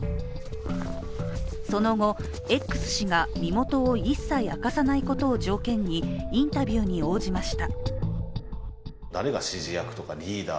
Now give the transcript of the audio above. その後、Ｘ氏が身元を一切明かさないことを条件にインタビューに応じました。